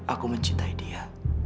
aku mencintai dia